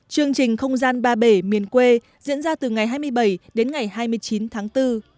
chương trình không gian ba bể miền quê diễn ra từ ngày hai mươi bảy đến ngày hai mươi chín tháng bốn